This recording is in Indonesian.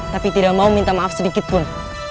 tapi tidak mau minta maaf sedikitpun